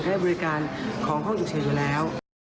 ให้บริการของห้องฉุกเฉินอยู่แล้ว